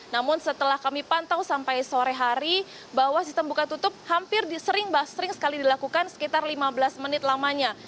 namun setelah kami pantau sampai sore hari bahwa sistem buka tutup hampir sering sekali dilakukan sekitar lima belas menit lamanya